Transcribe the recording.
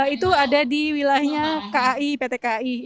itu ada di wilayahnya kai pt kai